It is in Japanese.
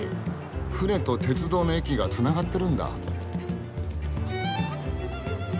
船と鉄道の駅がつながってるんだ。